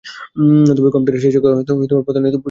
তবে কম্পিউটারের সেই সংজ্ঞা প্রতিনিয়ত পরিবর্তিত হচ্ছে।